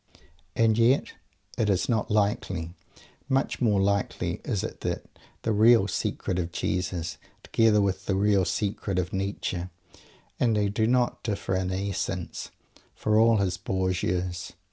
And yet it is not likely! Much more likely is it that the real "secret" of Jesus, together with the real "secret" of Nietzsche and they do not differ in essence, for all his Borgias!